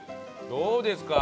どうですか？